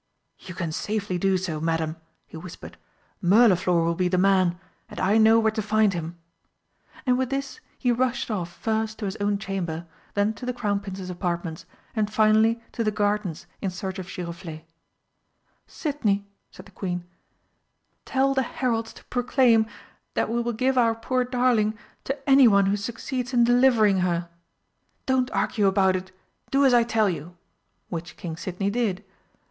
"You can safely do so, Madam," he whispered. "Mirliflor will be the man and I know where to find him." And with this he rushed off first to his own chamber, then to the Crown Prince's apartments, and finally to the gardens in search of Giroflé. "Sidney," said the Queen, "tell the heralds to proclaim that we will give our poor darling to anyone who succeeds in delivering her.... Don't argue about it do as I tell you!" which King Sidney did.